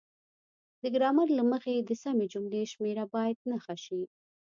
د ګرامر له مخې د سمې جملې شمیره باید نښه شي.